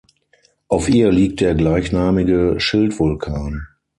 Auf ihr liegt der gleichnamige Schildvulkan.